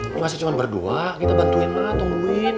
ini masih cuma berdua kita bantuin lah tungguin